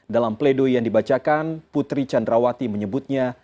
dalam pledoi yang dibacakan putri candrawati menyebutnya